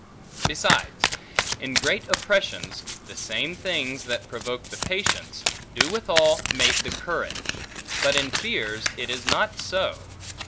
Besides, in great oppressions, the same things that provoke the patience, do withal mate the courage; but in fears it is not so.